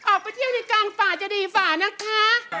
ออกไปเที่ยวที่กลางฝ่าจะดีฝ่านะคะ